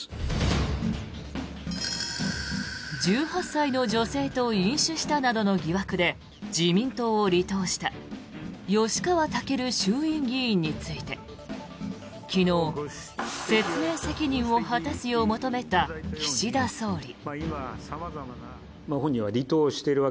１８歳の女性と飲酒したなどの疑惑で自民党を離党した吉川赳衆院議員について昨日、説明責任を果たすよう求めた岸田総理。